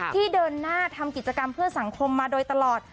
เดินหน้าทำกิจกรรมเพื่อสังคมมาโดยตลอด